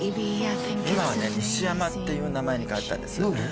今はねにしやまっていう名前に変わったんです何で？